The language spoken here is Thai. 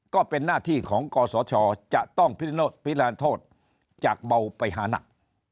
ก็เป็นหน้าที่ของกศชจะต้องพิราณโทษจากเบาไปหานัก